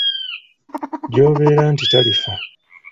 Gy'obeera nti talifa.